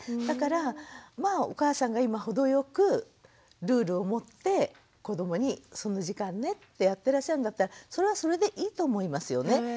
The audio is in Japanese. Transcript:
だからまあお母さんが今程良くルールをもって子どもにその時間ねってやってらっしゃるんだったらそれはそれでいいと思いますよね。